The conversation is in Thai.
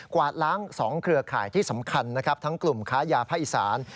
วาดล้าง๒เครือข่ายที่สำคัญนะครับทั้งกลุ่มค้ายาภาคอีสาน